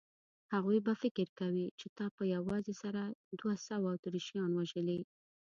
هغوی به فکر کوي چې تا په یوازې سره دوه سوه اتریشیان وژلي.